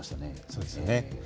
そうですね。